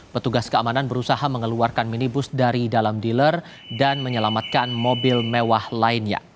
petugas keamanan berusaha mengeluarkan minibus dari dalam dealer dan menyelamatkan mobil mewah lainnya